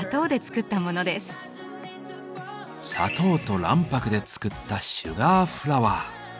砂糖と卵白で作った「シュガーフラワー」。